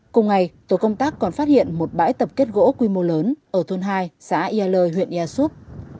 cùng ngày tổ công tác còn phát hiện một bãi tập kết gỗ quy mô lớn ở thôn hai xã yêu lê huyện yêu xúc